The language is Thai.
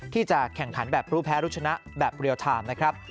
ที่จะแข่งขันแบบรู้แพ้รู้ชนะแบบเรียลไทม์นะครับ